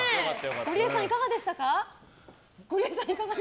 ゴリエさん、いかがでしたか？